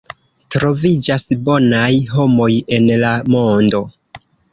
Troviĝas bonaj homoj en la mondo.